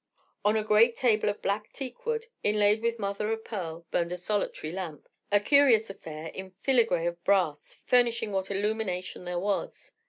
On a great table of black teakwood inlaid with mother of pearl burned a solitary lamp, a curious affair in filigree of brass, furnishing what illumination there was.